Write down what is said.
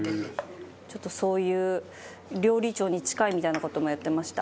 ちょっと、そういう料理長に近いみたいな事もやってました。